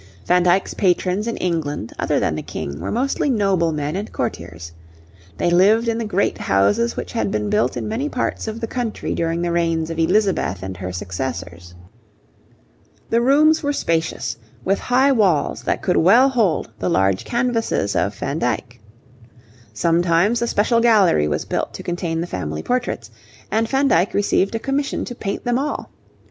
Van Dyck's patrons in England, other than the King, were mostly noblemen and courtiers. They lived in the great houses, which had been built in many parts of the country during the reigns of Elizabeth and her successors. The rooms were spacious, with high walls that could well hold the large canvases of Van Dyck. Sometimes a special gallery was built to contain the family portraits, and Van Dyck received a commission to paint them all.